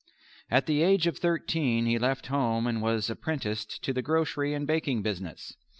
At the age of thirteen he left home and was apprenticed to the grocery and baking business.